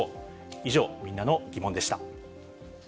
以上、みんなのギモンでした。